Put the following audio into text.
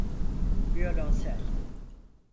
Viyolonsel.